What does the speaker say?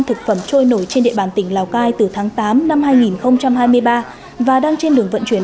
thực phẩm trôi nổi trên địa bàn tỉnh lào cai từ tháng tám năm hai nghìn hai mươi ba và đang trên đường vận chuyển